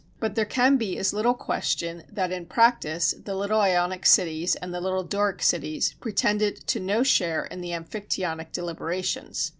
But there can be as little question that in practice the little Ionic cities and the little Doric cities pretended to no share in the Amphictyonic deliberations.